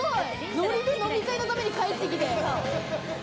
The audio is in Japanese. ノリで飲み会のために帰ってきて。